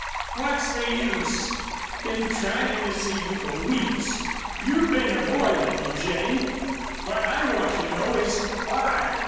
What's the use? Been tryin' to see you for weeks. You've been avoidin' me, Jane. What I want to know is why?"